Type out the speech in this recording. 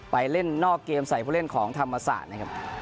ไปเล่นนอกเกมใส่ผู้เล่นของธรรมศาสตร์นะครับ